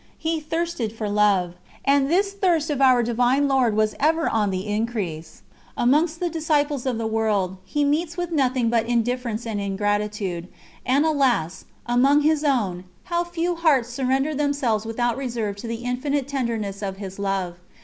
He thirsted for love. And this thirst of Our Divine Lord was ever on the increase. Amongst the disciples of the world, He meets with nothing but indifference and ingratitude, and alas! among His own, how few hearts surrender themselves without reserve to the infinite tenderness of His Love.